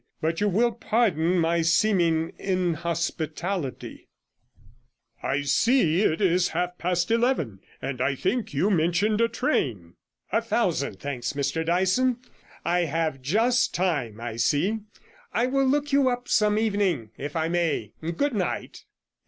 But you will pardon my seeming inhospitality; I see it is half past eleven, and I think you mentioned a train.' 'A thousand thanks, Mr Dyson. I have just time, I see. I will look you up some evening, if I may. Goodnight.'